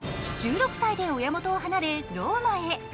１６歳で親元を離れローマへ。